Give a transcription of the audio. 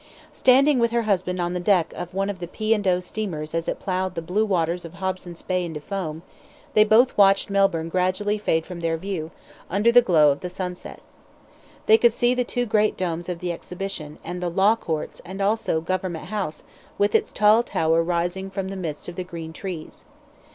Standing with her husband on the deck of one of the P. and O. steamers, as it ploughed the blue waters of Hobson's Bay into foam, they both watched Melbourne gradually fade from their view, under the glow of the sunset. They could see the two great domes of the Exhibition, and the Law Courts, and also Government House, with its tall tower rising from the midst of the green trees.